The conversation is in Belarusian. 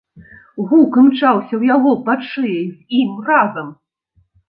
Гук імчаўся ў яго пад шыяй з ім разам.